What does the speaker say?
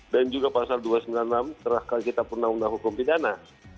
dan juga pasal dua ratus sembilan puluh enam terhadap ketika pernah undang hukum pidana